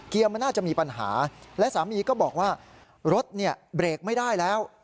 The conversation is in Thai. มันน่าจะมีปัญหาและสามีก็บอกว่ารถเนี่ยเบรกไม่ได้แล้ว